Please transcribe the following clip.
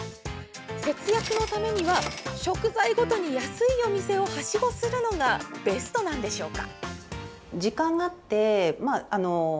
節約のためには、食材ごとに安いお店をはしごするのがベストなのでしょうか？